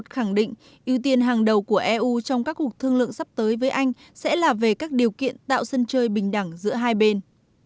khẳng định ưu tiên hàng đầu của eu trong các cuộc thương lượng sắp tới với anh sẽ là về các điều kiện tạo sân chơi bình đẳng giữa hai bên